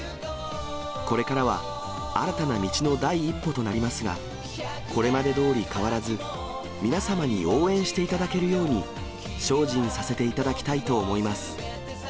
これからは、新たな道の第一歩となりますが、これまでどおり変わらず、皆様に応援していただけるように精進させていただきたいと思います。